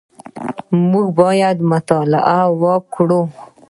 موږ باید مطالعه وکړو